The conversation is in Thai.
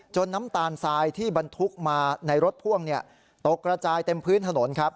น้ำตาลทรายที่บรรทุกมาในรถพ่วงตกกระจายเต็มพื้นถนนครับ